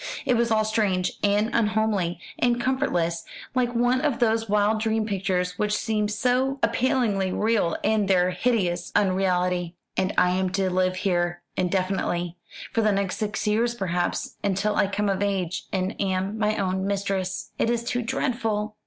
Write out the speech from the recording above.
It was all strange, and unhomely, and comfortless; like one of those wild dream pictures which seem so appallingly real in their hideous unreality. "And I am to live here indefinitely for the next six years, perhaps, until I come of age and am my own mistress. It is too dreadful!"